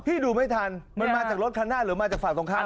ดูไม่ทันมันมาจากรถคันหน้าหรือมาจากฝั่งตรงข้าม